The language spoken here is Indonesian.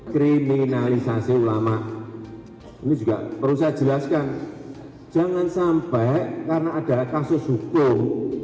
kriminalisasi ulama ini juga perlu saya jelaskan jangan sampai karena ada kasus hukum